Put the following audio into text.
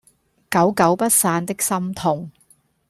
久久不散的心痛